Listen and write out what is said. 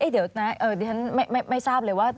เดี๋ยวนะดิฉันไม่ทราบเลยว่า